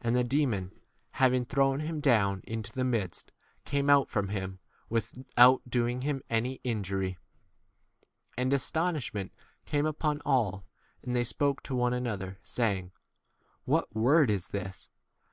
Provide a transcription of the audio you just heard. And the demon, having thrown him down into the midst, came out from k him without doing 36 him any injury. And astonishment came upon all, and they spoke to one another, saying, What word [is] this